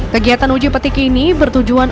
kegiatan uji petik ini bertujuan